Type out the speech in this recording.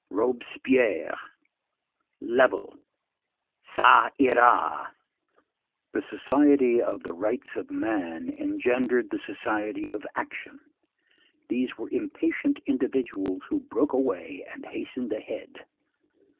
Robespierre. Level. Ça Ira. The Society of the Rights of Man engendered the Society of Action. These were impatient individuals who broke away and hastened ahead.